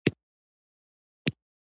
پاکستان د افغانستان دښمن دی.